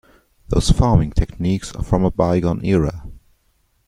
Those farming techniques are from a bygone era.